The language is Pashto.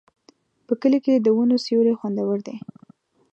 په کلي کې د ونو سیوري خوندور دي.